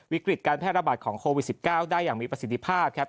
วิกฤตการแพร่ระบาดของโควิด๑๙ได้อย่างมีประสิทธิภาพครับ